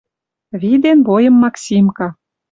Виден бойым Максимка.